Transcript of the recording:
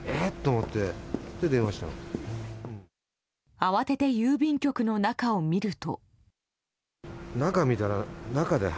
慌てて郵便局の中を見ると。